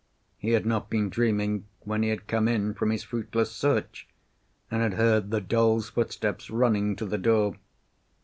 He had not been dreaming when he had come in from his fruitless search and had heard the doll's footsteps running to the door.